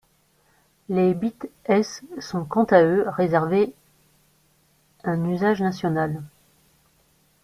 Les bits S sont quant à eux réservés un usage national.